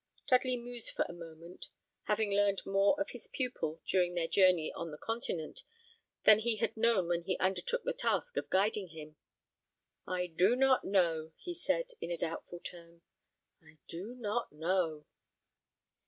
Dudley mused for a moment, having learned more of his pupil during their journey on the Continent than he had known when he undertook the task of guiding him. "I do not know," he said, in a doubtful tone: "I do not know."